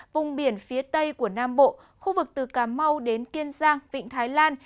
vùng biển phía tây của nam bộ khu vực từ cà mau đến kiên giang vịnh thái lan